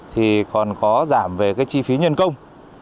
thì còn có giảm về chi phí nhân công